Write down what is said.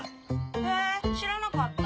へぇ知らなかった。